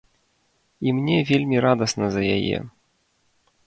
І мне вельмі радасна за яе.